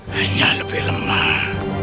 hanya lebih lemah